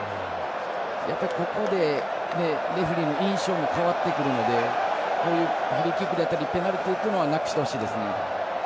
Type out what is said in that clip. ここでレフリーの印象も変わってくるのでこういうフリーキックだったりペナルティというのはなくしてほしいですね。